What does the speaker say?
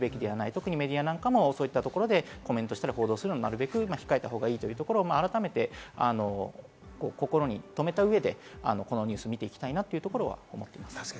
特にメディアなんかもそういったところでコメントしたり、報道するのは控えたほうがいいというところで、改めて心に留めた上で、このニュースを見ていきたいなというところは持っています。